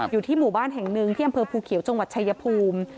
อยู่ที่หมู่บ้านแห่งหนึ่งที่อำเภอภูเขียวจังหวัดชายภูมิ